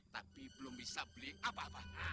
tapi belum bisa beli apa apa